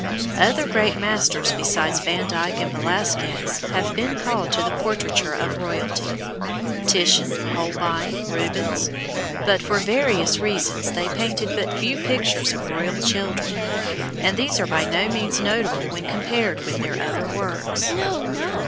Other great masters besides Van Dyck and Velasquez have been called to the portraiture of royalty, Titian, Holbein, Rubens, but for various reasons they painted but few pictures of royal children, and these are by no means notable when compared with their other works.